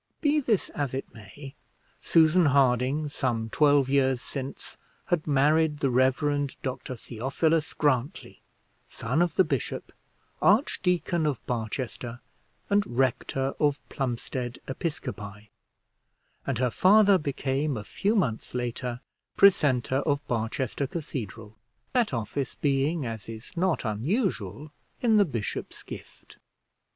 Be this as it may, Susan Harding, some twelve years since, had married the Rev. Dr Theophilus Grantly, son of the bishop, archdeacon of Barchester, and rector of Plumstead Episcopi, and her father became, a few months later, precentor of Barchester Cathedral, that office being, as is not unusual, in the bishop's gift.